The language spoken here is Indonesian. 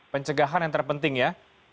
pencegahan yang terpenting ya